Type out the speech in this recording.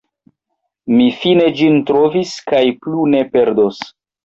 Mi fine ĝin trovis kaj plu ne perdos!